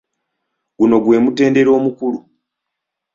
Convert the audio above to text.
Guno gwe mutendera omukulu.